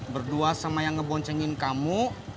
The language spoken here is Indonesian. berdua sama yang ngeboncengin kamu